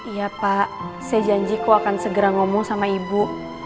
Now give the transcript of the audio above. iya pak saya janjiku akan segera ngomong sama ibu